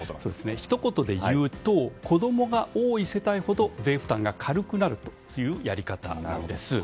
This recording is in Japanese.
一言でいうと子供が多い世帯ほど税負担が軽くなるというやり方なんです。